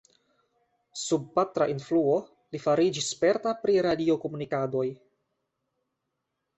Sub patra influo, li fariĝis sperta pri radio-komunikadoj.